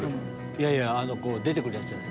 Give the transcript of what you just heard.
いやいやあのこう出てくるやつじゃない？